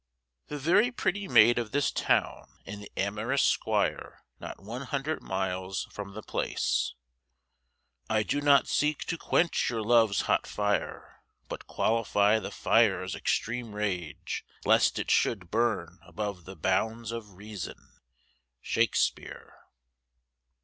THE VERY PRETTY MAID OF THIS TOWN, AND THE AMOROUS 'SQUIRE, NOT ONE HUNDRED MILES FROM THE PLACE. "I do not seek to quench your love's hot fire, but qualify the fire's extreme rage, lest it should burn above the bounds of reason." _Shakespeare.